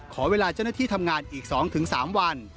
ขอเวลาเจ้าหน้าที่ทำงานอีก๒๓วัน